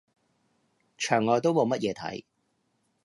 牆外都冇乜嘢睇